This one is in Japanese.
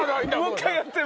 もう１回やって！